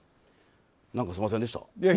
なんかすいませんでした。